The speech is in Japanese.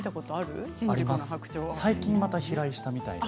最近また飛来したみたいで。